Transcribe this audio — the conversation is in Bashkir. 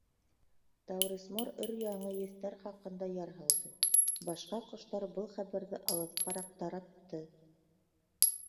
Тауис Мор өр-яңы еҫтәр хаҡында яр һалды, башҡа ҡоштар был хәбәрҙе алыҫҡараҡ таратты.